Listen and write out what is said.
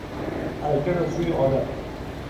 حرکت از روی عادت